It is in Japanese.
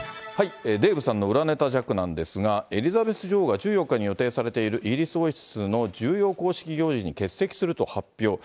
デーブさんの裏ネタジャックなんですが、エリザベス女王が１４日に予定されているイギリス王室の重要公式行事に欠席すると発表。